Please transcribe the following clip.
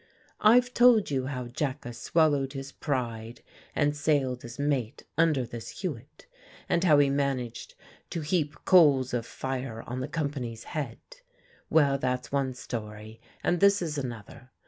I've told you how Jacka swallowed his pride and sailed as mate under this Hewitt, and how he managed to heap coals of fire on the company's head. Well that's one story and this is another.